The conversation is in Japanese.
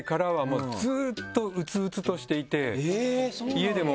家でも。